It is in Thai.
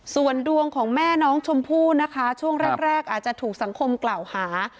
ส่วนดวงของแม่น้องชมพู่นะคะช่วงแรกอาจจะถูกสังคมกล่าวหา